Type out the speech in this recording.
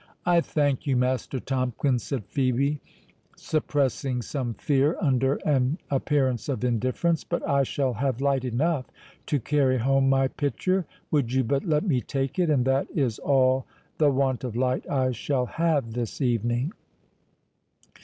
"I thank you, Master Tomkins," said Phœbe, suppressing some fear under an appearance of indifference; "but I shall have light enough to carry home my pitcher, would you but let me take it; and that is all the want of light I shall have this evening."